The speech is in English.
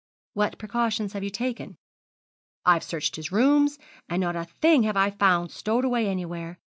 'What precautions have you taken?' 'I've searched his rooms, and not a thing have I found stowed away anywhere.